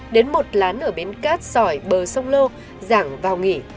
đến một lán ở bến cát sỏi bờ sông lô giảng vào nghỉ